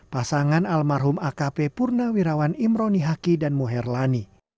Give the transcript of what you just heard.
pasangan almarhum akp purnawirawan imroni haki dan muherlani